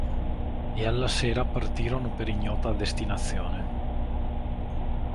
E alla sera partirono per ignota destinazione.